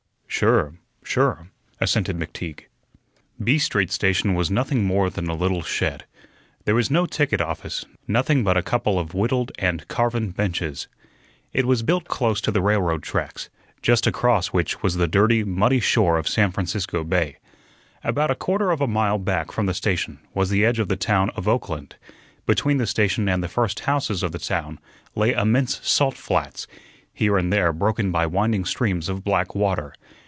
"Sure, sure," assented McTeague. B Street station was nothing more than a little shed. There was no ticket office, nothing but a couple of whittled and carven benches. It was built close to the railroad tracks, just across which was the dirty, muddy shore of San Francisco Bay. About a quarter of a mile back from the station was the edge of the town of Oakland. Between the station and the first houses of the town lay immense salt flats, here and there broken by winding streams of black water.